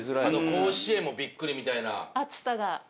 「甲子園もびっくり」みたいな。